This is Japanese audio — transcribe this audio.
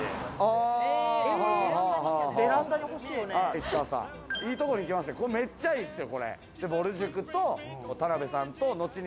石川さん、いいところに来ましたね、これめっちゃいいですよ。